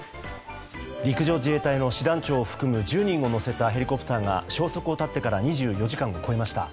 陸上自衛隊の師団長を含む１０人を乗せたヘリコプターが消息を絶ってから２４時間を超えました。